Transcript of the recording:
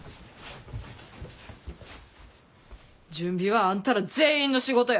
準備はあんたら全員の仕事や。